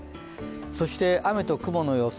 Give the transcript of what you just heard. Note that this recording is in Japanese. そして、雨と雲の予想